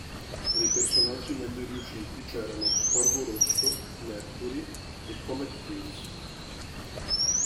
Tra i personaggi meglio riusciti c'erano: "Corvo Rosso", "Mercury" e "Comet Pierce".